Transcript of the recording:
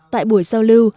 tại buổi giao lưu